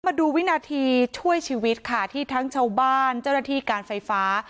มาดูวินาทีช่วยชีวิตค่ะที่ทั้งชาวบ้านเจ้าหน้าที่การไฟฟ้า